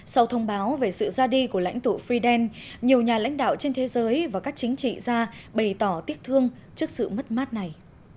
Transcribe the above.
sau thông báo về sự ra đi của lãnh tụ fidel nhiều nhà lãnh đạo trên thế giới và các chính trị gia bày tỏ tiếc thương trước sự mất mát này